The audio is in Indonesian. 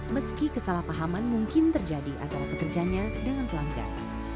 meski kesalahpahaman mungkin terjadi antara pekerjanya dengan pelanggan